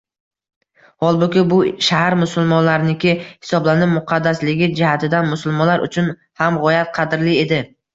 Holbuki, bu shahar musulmonlarniki hisoblanib, muqaddasligi jihatidan musulmonlar uchun ham g‘oyat qadrli edi